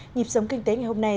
nhịp sống kinh tế ngày hôm nay